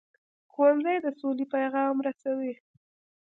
ښوونځی د سولې پیغام رسوي